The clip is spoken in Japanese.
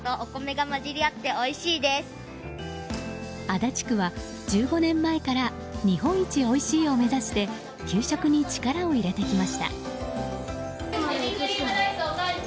足立区は１５年前から日本一おいしいを目指して給食に力を入れてきました。